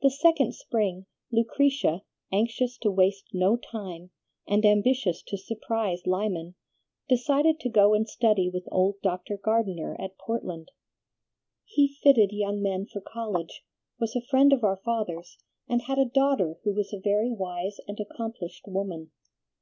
"The second spring, Lucretia, anxious to waste no time, and ambitious to surprise Lyman, decided to go and study with old Dr. Gardener at Portland. He fitted young men for college, was a friend of our father's, and had a daughter who was a very wise and accomplished woman.